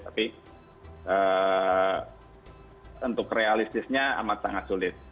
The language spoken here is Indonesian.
tapi untuk realistisnya amat sangat sulit